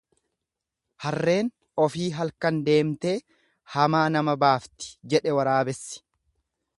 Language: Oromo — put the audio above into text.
Harreen ofii halkan deemtee hamaa nama baafti jedhe waraabessi.